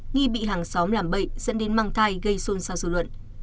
nghi bị hàng xóm làm bậy dẫn đến mang thai gây xôn xa dư luận